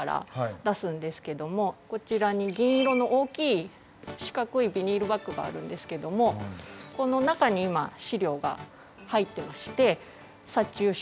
こちらに銀色の大きい四角いビニールバッグがあるんですけどもこの中に今資料が入ってまして殺虫処理中です。